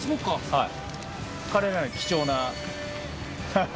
はい。